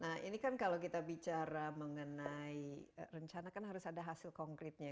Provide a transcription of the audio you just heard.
nah ini kan kalau kita bicara mengenai rencana kan harus ada hasil konkretnya